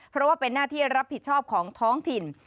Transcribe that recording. เพราะว่าเป็นหน้าที่รับผิดชอบของท้องถิ่น